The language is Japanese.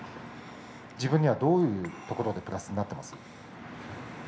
自分にはどういうところでプラスになっていますか？